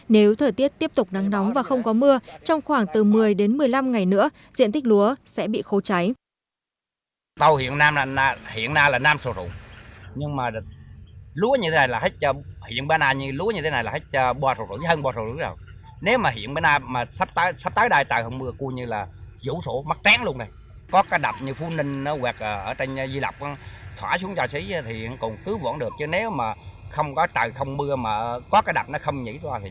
nếu thời tiết tiếp tục nắng nóng và không có mưa trong khoảng từ một mươi đến một mươi năm ngày nữa diện tích lúa sẽ bị khô cháy